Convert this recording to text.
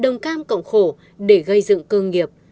đồng cam cộng khổ để gây dựng cơ nghiệp